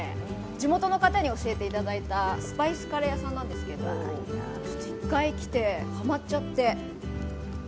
地元の方に教えていただいたスパイスカレー屋さんなんですけど１回来てハマっちゃって。